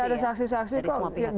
ada saksi saksi kok